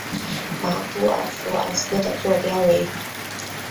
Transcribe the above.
马布尔福尔斯的座标为。